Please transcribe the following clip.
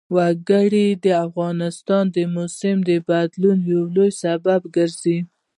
وګړي د افغانستان د موسم د بدلون یو لوی سبب کېږي.